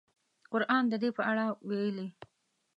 قران د دې په اړه ویلي.